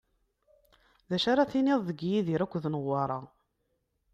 D acu ara tiniḍ di Yidir akked Newwara?